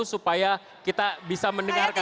supaya kita bisa mendengarkan